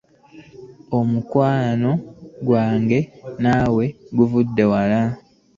Omukwano gwange naawe guvudde wala!